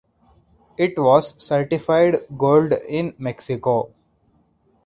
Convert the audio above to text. It was certified gold in Mexico.